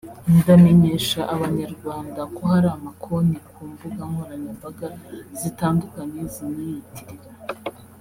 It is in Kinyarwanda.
"Ndamenyesha Abanyarwanda ko hari ama konti ku mbuga nkoranyambaga zitandukanye zinyiyitirira